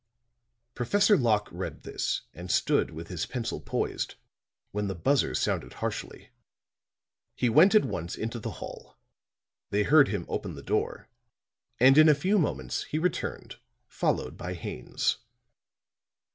Professor Locke read this and stood with his pencil poised, when the buzzer sounded harshly; he went at once into the hall; they heard him open the door; and in a few moments he returned, followed by Haines.